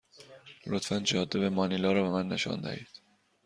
لطفا جاده به مانیلا را به من نشان دهید.